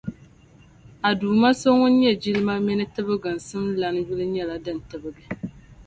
A Duuma So Ŋun nyɛ jilima mini tibiginsim lana yuli nyɛla din tibigi.